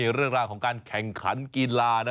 เรื่องราวของการแข่งขันกีฬา